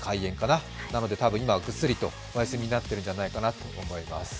なので多分今はぐっすりとお休みになってるんじゃないかなと思います。